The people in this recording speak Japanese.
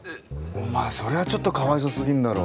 お前それはちょっとかわいそすぎんだろ。